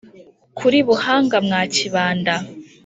Kuri Buhanga mwa Kibanda